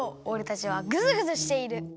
おれたちはグズグズしている。